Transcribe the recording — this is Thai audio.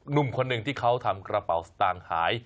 หนุ่มคนหนึ่งที่เขาทำกระเป๋าสตางค์หาย